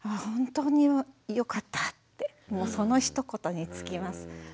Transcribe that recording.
ほんとによかったってそのひと言に尽きます。